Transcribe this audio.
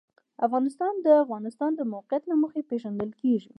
افغانستان د د افغانستان د موقعیت له مخې پېژندل کېږي.